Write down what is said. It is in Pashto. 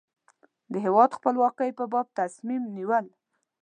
د هېواد خپلواکۍ په باب تصمیم نیول.